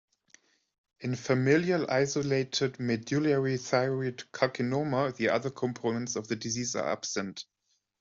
In familial isolated medullary thyroid carcinoma the other components of the disease are absent.